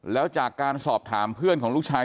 แล้วจากการสอบถามเพื่อนของลูกชาย